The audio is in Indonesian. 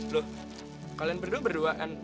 loh kalian berdua berduaan